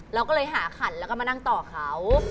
เราก็เลยหาขันแล้วก็มานั่งต่อเขา